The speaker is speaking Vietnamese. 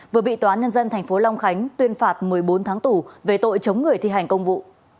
vừa bị tòa án nhân dân tp long khánh tuyên phạt một mươi bốn tháng tù về tội chống người thi hành công vụ